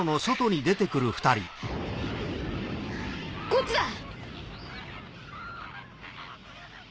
こっちだ！